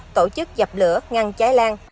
tổ chức dập lửa ngăn cháy lan